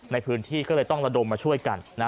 ในพื้นที่ก็เลยต้องระดมมาช่วยกัน